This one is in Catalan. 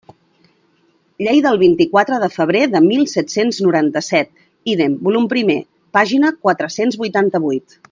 Llei del vint-i-quatre de febrer de mil set-cents noranta-set, ídem, volum primer, pàgina quatre-cents vuitanta-vuit.